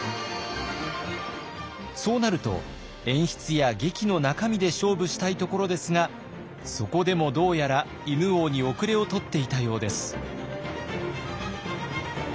そうなると演出や劇の中身で勝負したいところですがそこでもどうやら犬王に後れを取っていたようです。